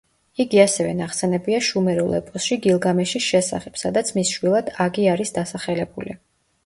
იგი ასევე ნახსენებია შუმერულ ეპოსში გილგამეშის შესახებ, სადაც მის შვილად აგი არის დასახელებული.